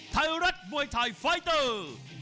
ไทยรัฐมวยไทยไฟเตอร์